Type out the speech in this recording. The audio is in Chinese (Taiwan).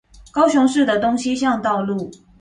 高雄市的東西向道路